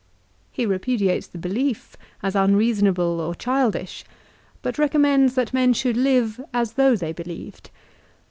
He repudiates the belief as unreasonable or childish, but recommends that men should live as though they believed.